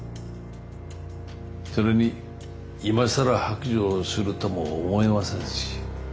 それに今更白状するとも思えませんし。